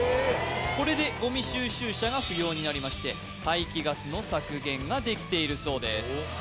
これでゴミ収集車が不要になりまして排気ガスの削減ができているそうです